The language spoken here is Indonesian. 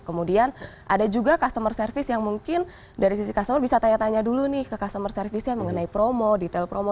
kemudian ada juga customer service yang mungkin dari sisi customer bisa tanya tanya dulu nih ke customer service nya mengenai promo detail promo